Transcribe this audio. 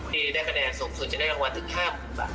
ที่ได้คะแนนสูงสุดจะได้รางวัลถึง๕๐๐๐บาท